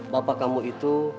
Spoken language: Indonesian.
bapak kamu itu